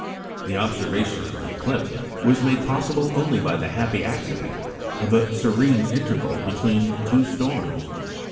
The observation of the eclipse was made possible only by the happy accident of a serene interval between two storms.